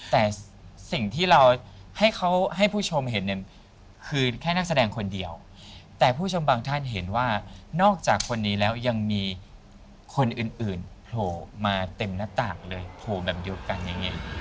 แต่สิ่งที่เราให้เขาให้ผู้ชมเห็นเนี่ยคือแค่นักแสดงคนเดียวแต่ผู้ชมบางท่านเห็นว่านอกจากคนนี้แล้วยังมีคนอื่นโผล่มาเต็มหน้าต่างเลยโผล่แบบเดียวกันอย่างนี้